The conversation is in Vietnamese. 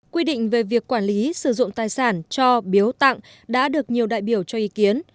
quy định về việc quản lý sử dụng tài sản cho biếu tặng đã được nhiều đại biểu cho ý kiến